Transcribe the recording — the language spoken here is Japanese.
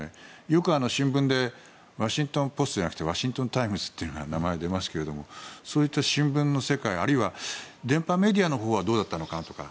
よく新聞でワシントン・ポストじゃなくてワシントン・タイムズという名前が出ますけれどもそういった新聞の世界あるいは電波メディアのほうはどうだったのかとか。